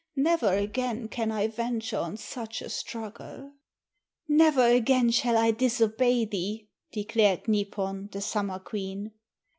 Never again can I venture on such a struggle." "Never again shall I disobey thee," declared Nipon, the Summer Queen.